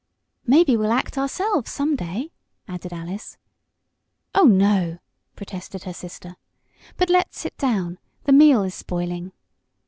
"Maybe we'll act ourselves, some day," added Alice. "Oh, no!" protested her sister. "But let's sit down. The meal is spoiling.